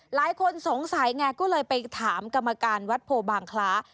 หลายคนสงสัยไงก็เลยไปถามกรรมการวัดโพบางคล้า